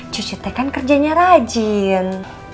cuci teh kan kerjanya rajin